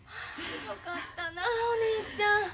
よかったなあお姉ちゃん。